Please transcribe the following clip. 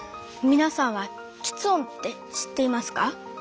皆さんはきつ音って知っていますか？